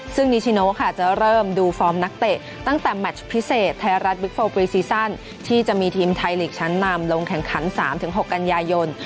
ซึ่งนิชิโนค่ะจะเริ่มดูฟอร์มนักเตะตั้งแต่แมชพิเศษไทยรัฐบิ๊กโฟลปรีซีซั่นที่จะมีทีมไทยลีกชั้นนำลงแข่งขัน๓๖กันยายน